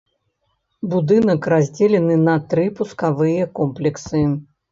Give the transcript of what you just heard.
Будынак раздзелены на тры пускавыя комплексы.